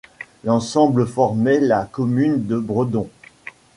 L'ensemble formait la commune de Bredons.